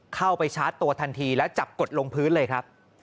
เข้าไปชาร์จตัวทันทีแล้วจับกดลงพื้นเลยครับ